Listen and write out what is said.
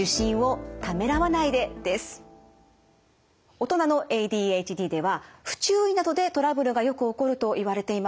大人のＡＤＨＤでは不注意などでトラブルがよく起こるといわれています。